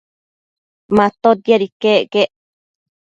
Matotiad iquec quec